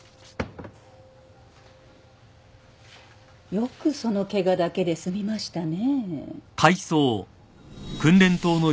よくそのケガだけで済みましたね。